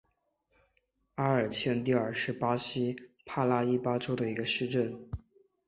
阿尔坎蒂尔是巴西帕拉伊巴州的一个市镇。